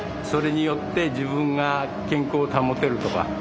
それによって自分が健康を保てるとか。